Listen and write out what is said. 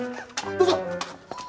どうぞ。